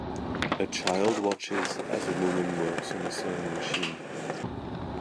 A child watches as a woman works on a sewing machine.